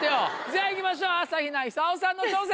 じゃあいきましょう朝日奈ひさおさんの挑戦。